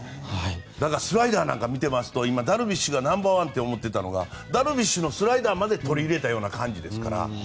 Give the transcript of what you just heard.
スライダーなんか見てますとダルビッシュがナンバーワンと思っていたのがダルビッシュのスライダーまで取り入れた感じですから。